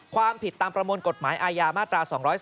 ความผิดตามประมวลกฎหมายอาญามาตรา๒๒